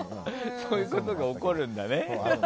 そういうことが起こるんだね。